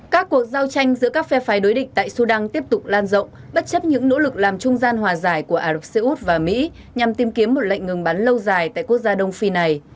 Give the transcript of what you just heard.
các cuộc giao tranh giữa các phe phái đối định tại sudan tiếp tục lan rộng bất chấp những nỗ lực làm trung gian hòa giải của ả rập xê út và mỹ nhằm tìm kiếm một lệnh ngừng bắn lâu dài tại quốc gia đông phi này